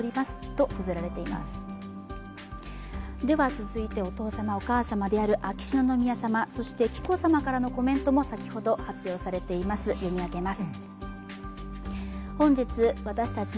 続いてお父様、お母様である秋篠宮さまそして紀子さまからのコメントも先ほど発表されています。